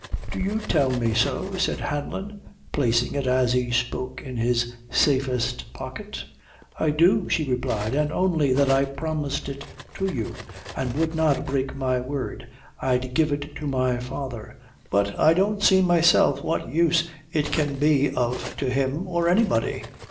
"Do you toll me so?" said Hanlon, placing it as he spoke in his safest pocket. "I do," she replied; "an' only that I promised it to you, and would not break my word, I'd give it to my father; but I don't see myself what use it can be of to him or anybody."